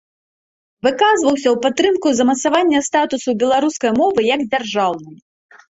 Выказваўся ў падтрымку замацавання статусу беларускай мовы, як дзяржаўнай.